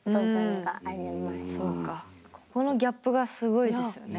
このギャップがすごいですよね